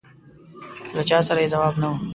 له چا سره یې ځواب نه و.